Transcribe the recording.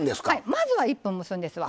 まずは１分蒸すんですわ。